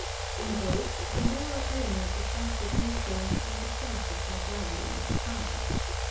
In both, the moral element is back of nature and the source of her value and charm.